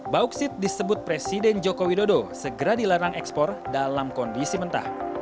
bauksit disebut presiden joko widodo segera dilarang ekspor dalam kondisi mentah